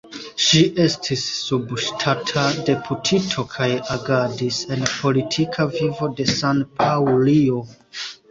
Ŝi estis subŝtata deputito kaj agadis en politika vivo de San-Paŭlio.